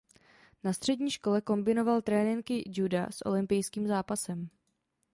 Na střední škole kombinoval tréninky juda s olympijským zápasem.